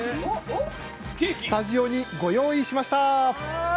スタジオにご用意しました！